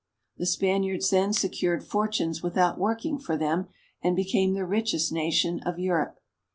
The Spaniards then secured fortunes without working for them, and became the richest nation of Europe.